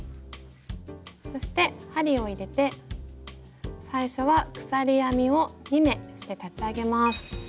そして針を入れて最初は鎖編みを２目して立ち上げます。